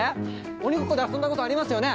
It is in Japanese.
鬼ごっこで遊んだことありますよね？